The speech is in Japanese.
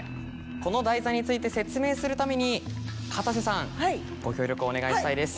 この台座について説明するためにかたせさん。はい。ご協力をお願いしたいです。